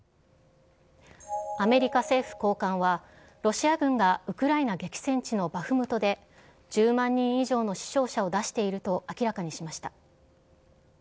アメリカ政府高官は、ロシア軍がウクライナ激戦地のバフムトで、１０万人以上の死傷者を出していると明らかにしました。